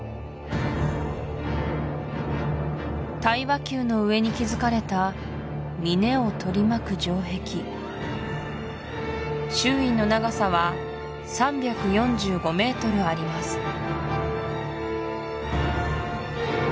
太和宮の上に築かれた峰を取り巻く城壁周囲の長さは３４５ｍあります